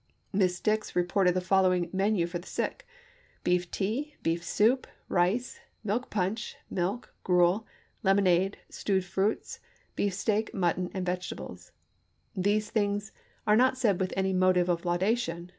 Miss Dix reported the fol p. 22/ lowing menu for the sick: Beef tea, beef soup, rice, milk punch, milk, gruel, lemonade, stewed fruits, beefsteak, mutton, and vegetables. These things are not said with any motive of laudation.